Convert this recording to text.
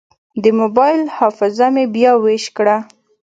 د موبایل حافظه مې بیا ویش کړه.